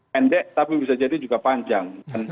pendek tapi bisa jadi juga panjang